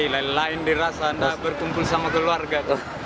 lain lain dirasa anda berkumpul sama keluarga